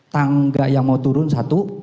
tangga yang mau turun satu